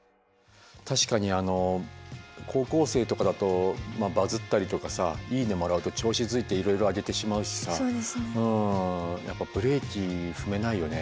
確かに高校生とかだとバズったりとかさ「いいね」もらうと調子づいていろいろ上げてしまうしさやっぱブレーキ踏めないよね